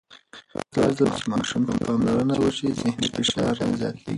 هرځل چې ماشوم ته پاملرنه وشي، ذهني فشار نه زیاتېږي.